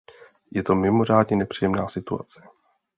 Je to mimořádně nepříjemná situace.